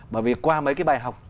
bởi vì qua mấy cái bài học